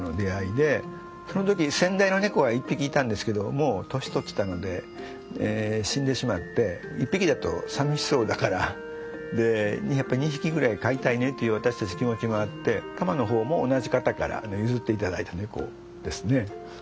その時先代の猫は１匹いたんですけどもう年取ってたので死んでしまって１匹だと寂しそうだから２匹ぐらい飼いたいねという私たち気持ちもあってたまの方も同じ方から譲っていただいた猫ですね。